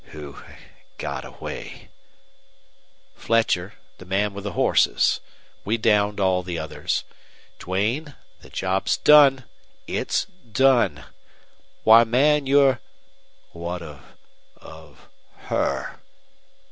"Who got away?" "Fletcher, the man with the horses. We downed all the others. Duane, the job's done it's done! Why, man, you're " "What of of HER?"